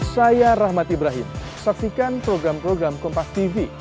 saya rahmat ibrahim saksikan program program kompastv